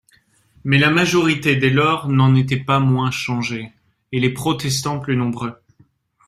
Mais la majorité dès lors n'en était pas moins changée, et les protestants plus nombreux.